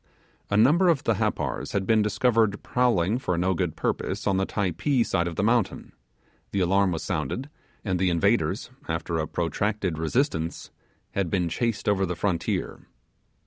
A number of the Happars had been discovered prowling for no good purpose on the Typee side of the mountain; the alarm sounded, and the invaders, after a protracted resistance, had been chased over the frontier.